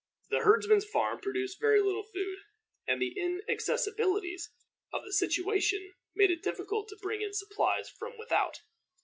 The herdsman's farm produced very little food, and the inaccessibleness of its situation made it difficult to bring in supplies from without.